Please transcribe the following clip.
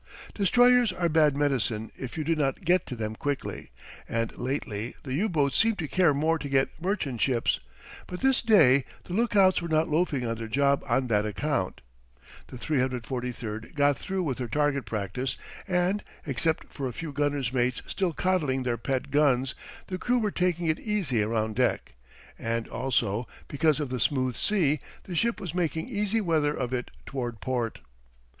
Destroyers are bad medicine if you do not get to them quickly, and lately the U boats seemed to care more to get merchant ships; but this day the lookouts were not loafing on their job on that account. The 343 got through with her target practice, and, except for a few gunners' mates still coddling their pet guns, the crew were taking it easy around deck; and also, because of the smooth sea, the ship was making easy weather of it toward port.